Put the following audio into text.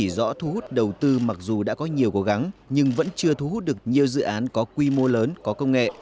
vẫn chưa thu hút được nhiều dự án có quy mô lớn có công nghệ